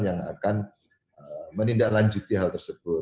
yang akan menindaklanjuti hal tersebut